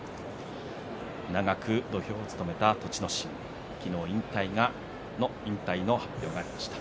長く土俵を務めた栃ノ心、昨日、引退の発表がありました。